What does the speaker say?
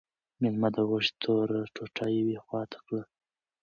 مېلمه د غوښې توره ټوټه یوې خواته کړه.